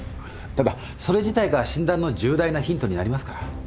ただそれ自体が診断の重大なヒントになりますから。